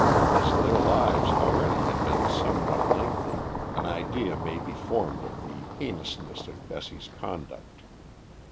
As their lives already had been somewhat lengthy, an idea may be formed of the heinousness of Bessie's conduct.